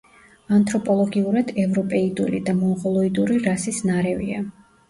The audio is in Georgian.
ანთროპოლოგიურად ევროპეიდული და მონღოლოიდური რასის ნარევია.